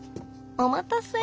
お待たせ。